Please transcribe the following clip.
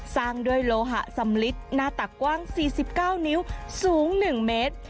สร้างด้วยโลหะสำลิดหน้าตักกว้าง๔๙นิ้วสูง๑เมตร